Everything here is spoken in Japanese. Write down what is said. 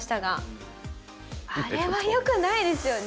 あれはよくないですよね。